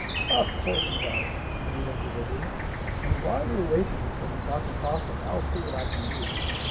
"Of course he does," agreed Uncle Wiggily. "And while you are waiting for Dr. Possum I'll see what I can do."